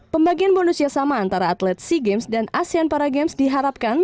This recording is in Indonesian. pembagian bonus yang sama antara atlet sea games dan asean para games diharapkan